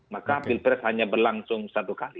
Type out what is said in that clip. maka pilpres hanya berlangsung satu kali